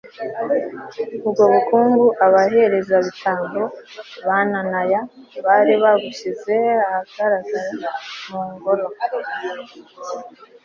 ubwo bukungu abaherezabitambo ba nanaya bari babushyize ahagaragara mu ngoro